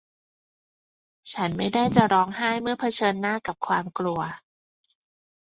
ฉันไม่ได้จะร้องไห้เมื่อเผชิญหน้ากับความกลัว